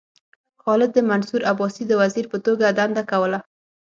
خالد د منصور عباسي د وزیر په توګه دنده کوله.